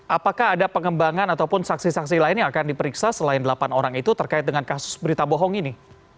apakah ada pengembangan ataupun saksi saksi lain yang akan diperiksa selain delapan orang itu terkait dengan kasus berita bohong ini